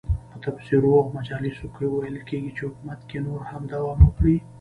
په تبصرو او مجالسو کې ویل کېږي چې حکومت که نور هم دوام وکړي.